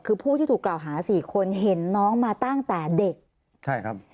คือผู้ที่ถูกกล่าวหาสี่คนเห็นน้องมาตั้งแต่เด็กใช่ครับ